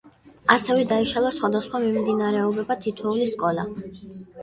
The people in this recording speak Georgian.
ასევე, დაიშალა სხვადასხვა მიმდინარეობად თითოეული სკოლა.